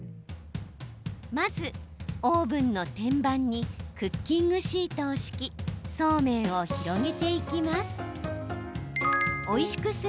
まず、オーブンの天板にクッキングシートを敷きそうめんを広げていきます。